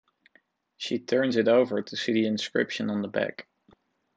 She turns it over to see the inscription on the back.